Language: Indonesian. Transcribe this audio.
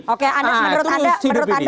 oke menurut anda